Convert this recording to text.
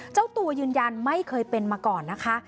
เจ้าตัวยืนยันไม่เคยเป็นมาก่อนนะคะ